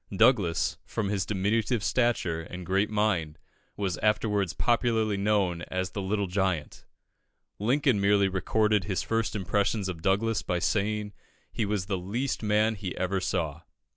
Douglas, from his diminutive stature and great mind, was afterwards popularly known as the Little Giant. Lincoln merely recorded his first impressions of Douglas by saying he was the least man he ever saw.